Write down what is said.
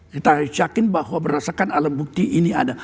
kita harus yakin bahwa berdasarkan alat bukti ini ada